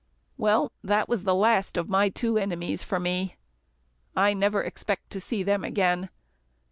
Well, that was the last of my two enemies for me. I never expect to see them again.